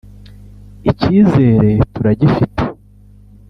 icyizere turagifite